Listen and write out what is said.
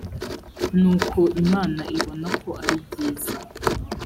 nuko imana ibona ko ari byiza